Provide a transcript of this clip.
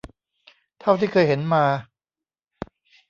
เท่าที่เคยเห็นมา